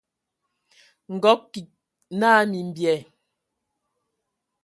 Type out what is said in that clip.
Nkɔg kig naa : "Mimbyɛ".